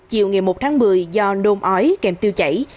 chiều ngày một tháng một mươi do nôn ói kèm tiêu chảy